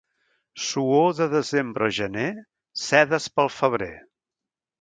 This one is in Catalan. Suor de desembre o gener, sedes pel febrer.